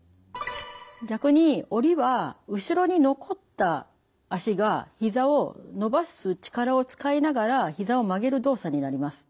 逆に下りは後ろに残った脚がひざを伸ばす力を使いながらひざを曲げる動作になります。